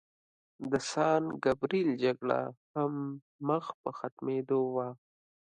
د سان ګبریل جګړه هم مخ په ختمېدو وه.